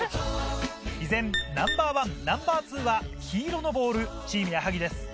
依然ナンバー１ナンバー２は黄色のボールチーム矢作です。